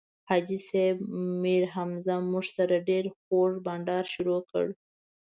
حاجي صیب میرحمزه موږ سره ډېر خوږ بنډار شروع کړ.